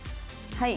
はい。